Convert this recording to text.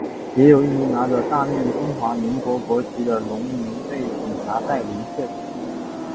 也有一名拿着大面中华民国国旗的荣民被警察带离现场。